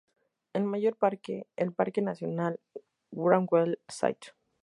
El mayor parque, el Parque nacional Wrangell-St.